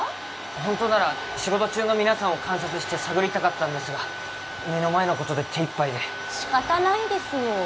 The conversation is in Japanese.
ホントなら仕事中の皆さんを観察して探りたかったんですが目の前のことで手いっぱいで仕方ないですよ